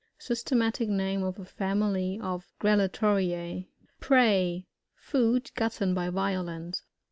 Systematic name of a family of Grallatoriffi. Prey. — Food gotten by violence.